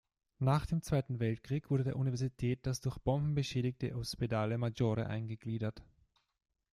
Nach dem Zweiten Weltkrieg wurde der Universität das durch Bomben beschädigte Ospedale maggiore eingegliedert.